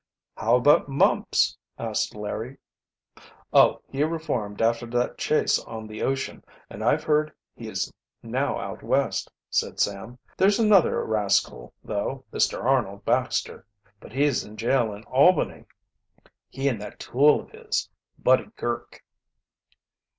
"How about Mumps?" asked Larry. "Oh, he reformed after that chase on the ocean, and I've heard he is now out West," said Sam. "There's another rascal, though Mr. Arnold Baxter. But he is in jail in Albany he and that tool of his, Buddy Girk."